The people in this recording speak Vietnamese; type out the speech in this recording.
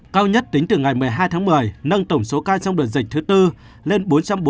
cao nhất tính từ ngày một mươi hai tháng một mươi nâng tổng số ca trong đợt dịch thứ bốn lên bốn trăm bốn mươi hai sáu trăm ba mươi